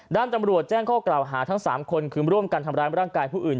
ตำรวจแจ้งข้อกล่าวหาทั้ง๓คนคือร่วมกันทำร้ายร่างกายผู้อื่น